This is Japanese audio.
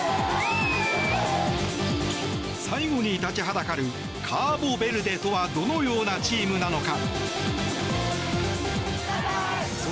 最後に立ちはだかるカーボベルデとはどのようなチームなのか？